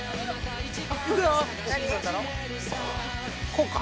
こうか？